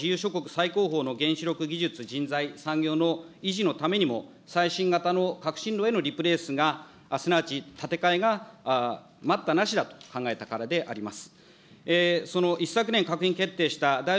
最高峰の原子力技術産業の維持のためにも最新型の革新炉へのリプレースがすなわち、建て替えが待ったなしだと考えたからであります。